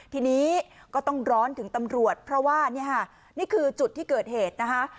ทีนี้ก็ต้องร้อนถึงตำรวจเพราะว่านี่ค่ะนี่คือจุดที่เกิดเหตุนะคะ